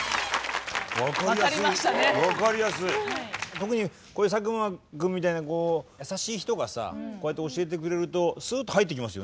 特にこういう佐久間君みたいなこう優しい人がさこうやって教えてくれるとすっと入ってきますよね。